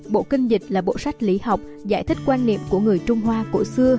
bộ kinh dịch là bộ sách lý học giải thích quan niệm của người trung hoa cổ xưa